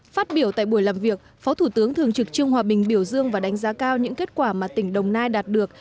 phát biểu tại buổi làm việc phó thủ tướng thường trực trương hòa bình biểu dương và đánh giá cao những kết quả mà tỉnh đồng nai đạt được